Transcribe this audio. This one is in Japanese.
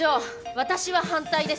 私は反対です。